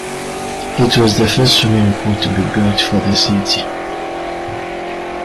It was the first swimming pool to be built for the city.